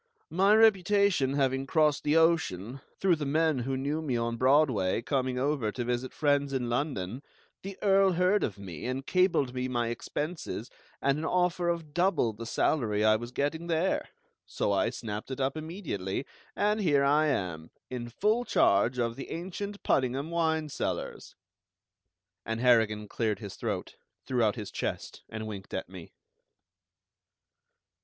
"My reputation having crossed the ocean, through the men who knew me on Broadway coming over to visit friends in London, the Earl heard of me, and cabled me my expenses and an offer of double the salary I was getting there; so I snapped it up immediately, and here I am, in full charge of the ancient Puddingham wine cellars." And Harrigan cleared his throat, threw out his chest, and winked at me.